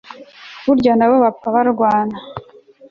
burya nabo bapfa barwana